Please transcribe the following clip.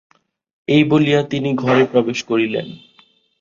এই বলিয়া তিনি ঘরে প্রবেশ করিলেন।